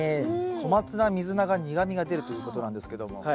コマツナミズナが苦みが出るということなんですけども。